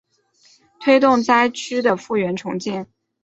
推动灾区的复原重建